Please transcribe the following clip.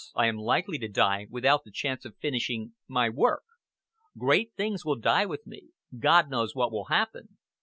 I am likely to die without the chance of finishing my work. Great things will die with me. God knows what will happen."